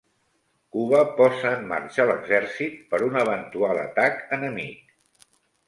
Cuba posa en marxa l'exèrcit per un eventual atac enemic